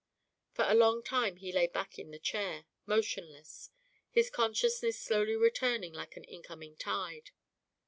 For a long time he lay back in the chair, motionless, his consciousness slowly returning like an incoming tide.